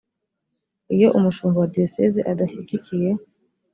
iyo umushumba wa diyoseze adashyigikiye